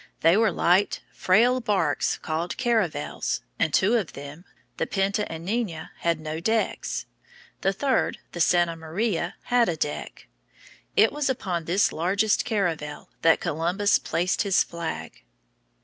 They were light, frail barks called caravels, and two of them, the Pinta and Nina, had no decks. The third, the Santa Maria, had a deck. It was upon this largest caravel that Columbus placed his flag.